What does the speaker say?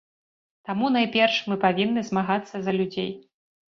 Таму, найперш, мы павінны змагацца за людзей.